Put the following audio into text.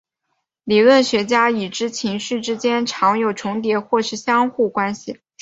理论学家已知情绪之间常有重叠或是相互关系。